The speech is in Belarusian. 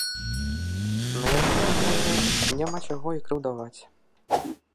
На яго, можа, няма чаго і крыўдаваць.